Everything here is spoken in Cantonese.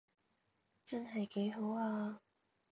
真係幾好啊